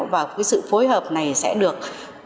và sự phối hợp này sẽ được